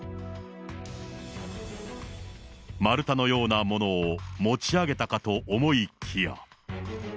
丸太のようなものを持ち上げたかと思いきや。